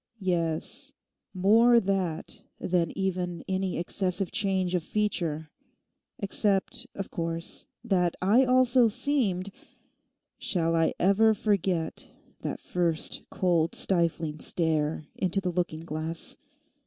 Yes; more that than even any excessive change of feature, except, of course, that I also seemed—Shall I ever forget that first cold, stifling stare into the looking glass!